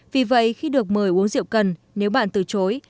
vì vậy khi được mời uống rượu cần nếu bạn từ chối